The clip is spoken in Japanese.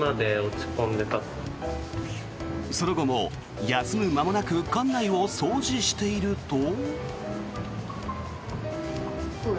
その後も休む間もなく館内を掃除していると。